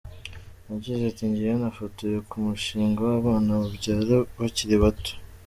Yagize ati :"Jyewe nafotoye ku mushinga w’abana babyara bakiri bato.